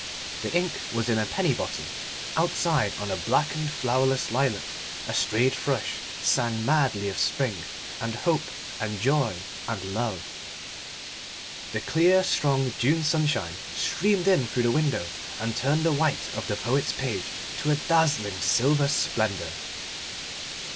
The ink was in a penny bottle. Outside on a blackened flowerless lilac a strayed thrush sang madly of spring and hope and joy and love. The clear strong June sunshine streamed in through the window and turned the white of the poet's page to a dazzling silver splendour.